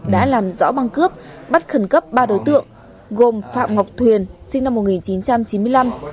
đã làm rõ băng cướp bắt khẩn cấp ba đối tượng gồm phạm ngọc thuyền sinh năm một nghìn chín trăm chín mươi năm